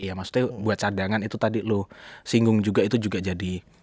ya maksudnya buat cadangan itu tadi lo singgung juga itu juga jadi